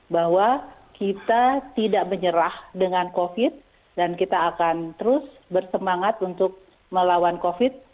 bahwa kita tidak menyerah dengan covid dan kita akan terus bersemangat untuk melawan covid